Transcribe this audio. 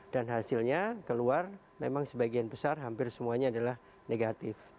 dan hasilnya keluar memang sebagian besar hampir semuanya adalah negatif